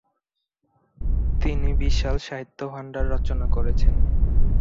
তিনি বিশাল সাহিত্য ভান্ডার রচনা করেছেন।